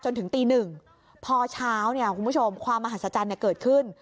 จนถึงตี๑พอเช้าคุณผู้ชมความมหัศจรรย์เกิดขึ้น